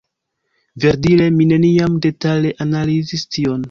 Verdire mi neniam detale analizis tion.